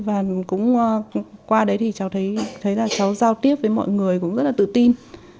và cũng qua đấy thì cháu thấy thấy là cháu giao tiếp với mọi người cũng rất là tự tin